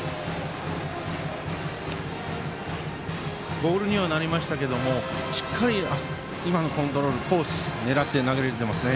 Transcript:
ボールにはなりましたがしっかりと今のコントロールコースを狙って投げられていますね。